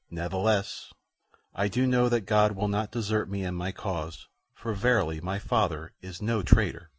Ne'theless, I do know that God will not desert me in my cause, for verily my father is no traitor."